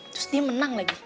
terus dia menang lagi